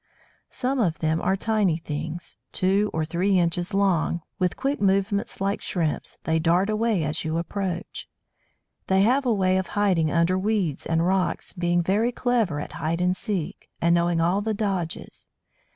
Some of them are tiny things, two or three inches long. With quick movements like Shrimps they dart away as you approach. They have a way of hiding under weeds and rocks, being very clever at "hide and seek," and knowing all the dodges.